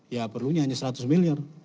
ya perlunya hanya seratus miliar